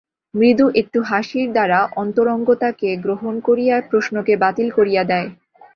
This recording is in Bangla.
মৃদু একটু হাসির দ্বারা অন্তরঙ্গতাকে গ্রহণ করিয়া প্রশ্নকে বাতিল করিয়া দেয়।